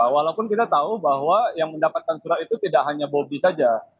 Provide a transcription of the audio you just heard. walaupun kita tahu bahwa yang mendapatkan surat itu tidak hanya bobi saja